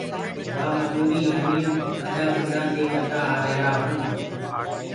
وآ مجوٚريٚ همي ٻڏآ ٻوڏآ دي ڪردآ آريهرآ هونٚ۔